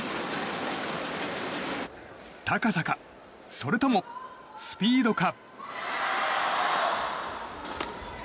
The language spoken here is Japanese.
高さか、それともスピードか。